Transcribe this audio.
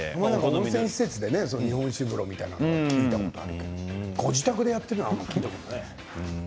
温泉施設で日本酒風呂みたいなのは聞いたことがあるけれどもご自宅でやっているのは聞いたことないね。